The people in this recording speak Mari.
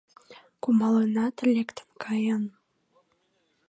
Кумалынат, лектын каен.